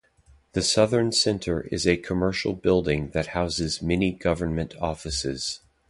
The Southorn Centre is a commercial building that houses many government offices.